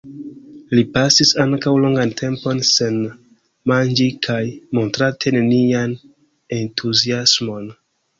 Li pasis ankaŭ longan tempon sen manĝi kaj montrante nenian entuziasmon.